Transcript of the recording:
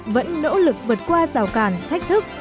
vẫn nỗ lực vượt qua rào cản thách thức